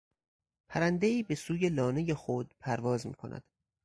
پرندهای به سوی لانهی خود پرواز میکند.